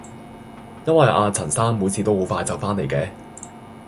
因為阿陳生每次都好快就返嚟嘅